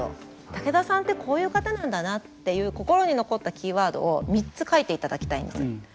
武田さんってこういう方なんだなっていう心に残ったキーワードを３つ書いていただきたいんです。